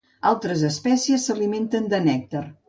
Altres espècies s'alimenten de nèctar.